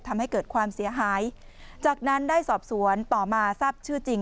ทำให้เกิดความเสียหายจากนั้นได้สอบสวนต่อมาทราบชื่อจริง